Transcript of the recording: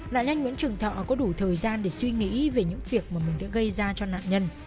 nạn nhân nguyễn trường thọ có đủ thời gian để suy nghĩ về những việc mà mình đã gây ra cho nạn nhân